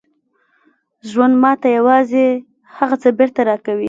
ژوند ماته یوازې هغه څه بېرته راکوي